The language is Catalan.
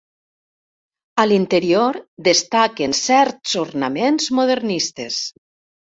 A l'interior destaquen certs ornaments modernistes.